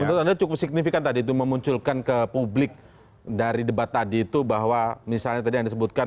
menurut anda cukup signifikan tadi itu memunculkan ke publik dari debat tadi itu bahwa misalnya tadi yang disebutkan